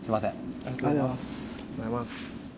ありがとうございます